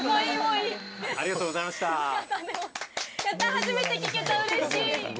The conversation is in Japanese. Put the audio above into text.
初めて聞けた、嬉しい。